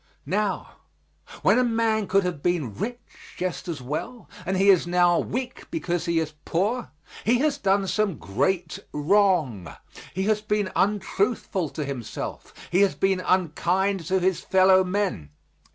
Now, when a man could have been rich just as well, and he is now weak because he is poor, he has done some great wrong; he has been untruthful to himself; he has been unkind to his fellowmen.